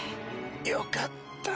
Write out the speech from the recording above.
よかった。